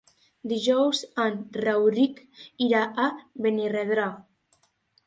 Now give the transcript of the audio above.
Dijous en Rauric irà a Benirredrà.